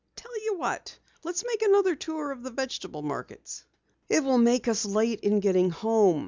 "Tell you what! Let's make another tour of the vegetable markets." "It will make us late in getting home.